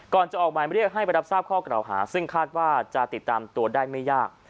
ก่อนจะออกหมายเรียกให้ไปรับทราบข้อกล่าวหาซึ่งคาดว่าจะติดตามตัวได้ไม่ยาก